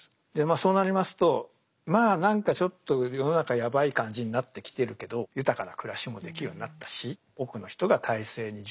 そうなりますとまあ何かちょっと世の中ヤバい感じになってきてるけど豊かな暮らしもできるようになったし多くの人が体制に順応し始めます。